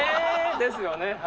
ですよね。